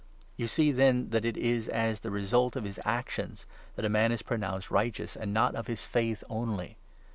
You see, then, that it is as the result of his actions that a man is 24 pronounced righteous, and not of his faith only.